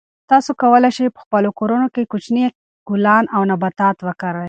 تاسو کولای شئ چې په خپلو کورونو کې کوچني ګلان او نباتات وکرئ.